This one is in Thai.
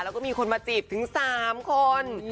แล้วก็มีคนมาจีบถึง๓คน